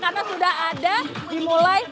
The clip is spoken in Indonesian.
jadi ini sudah ada di seluruh panggung utama